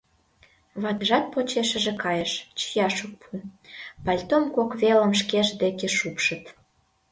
Ватыжат почешыже кайыш, чияш ок пу: пальтом кок велым шкешт деке шупшыт.